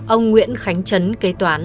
ông nguyễn khánh trấn kế toán